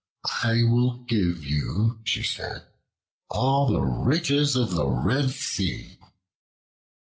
"I will give you," she said, "all the riches of the Red Sea."